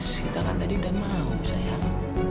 kita kan tadi udah mau sayang